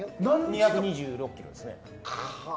２２６ｋｍですね。